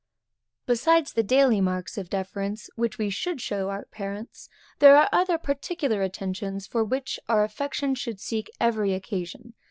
Besides the daily marks of deference which we should show to our parents, there are other particular attentions for which our affection should seek every occasion.